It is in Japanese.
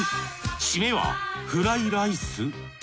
締めはフライライス？